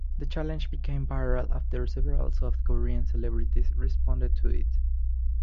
The challenge became viral after several South Korean celebrities responded to it.